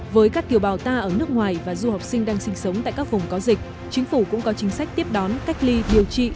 với các kiều bào ta ở nước ngoài và du học sinh đang sinh sống tại các vùng có dịch